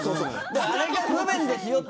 あれが不便ですよって。